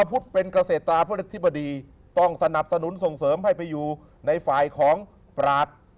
พุทธเป็นเกษตราธิบดีต้องสนับสนุนส่งเสริมให้ไปอยู่ในฝ่ายของปราศ